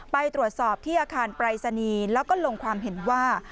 ไปตรวจสอบที่อาคารปรายศนีย์แล้วก็ลงความเห็นว่า